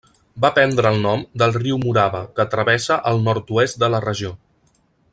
Va prendre el nom del riu Morava, que travessa el nord-oest de la regió.